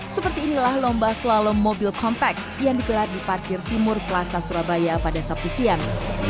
seperti inilah lomba slalom mobil compact yang digelar di parkir timur plaza surabaya pada sabtu siang